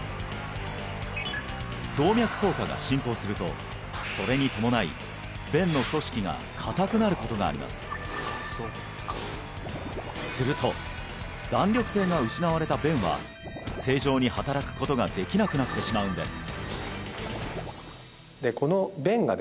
動脈硬化が進行するとそれに伴い弁の組織が硬くなることがありますすると弾力性が失われた弁は正常に働くことができなくなってしまうんです